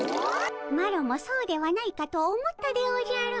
マロもそうではないかと思ったでおじゃる。